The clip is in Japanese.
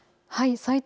埼玉